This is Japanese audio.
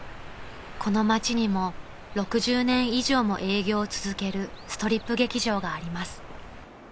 この街にも６０年以上も営業を続けるストリップ劇場があります］